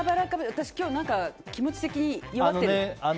私、今日気持ち的に弱ってる。